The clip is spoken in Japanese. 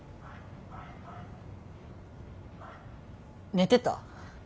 ・寝てた？